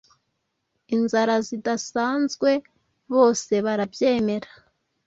Inzara zidasanzwe bose barabyemera